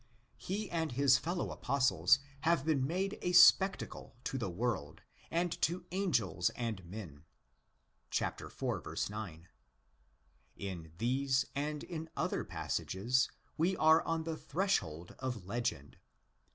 He and his fellow Apostles have been made a spectacle to the world and to angels and men (iv. 9). In these and in other passages we are on the threshold of legend.